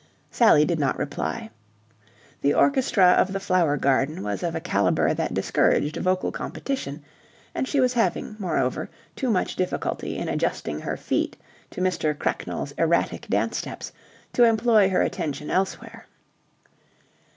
Sally did not reply. The orchestra of the Flower Garden was of a calibre that discouraged vocal competition; and she was having, moreover, too much difficulty in adjusting her feet to Mr. Cracknell's erratic dance steps to employ her attention elsewhere.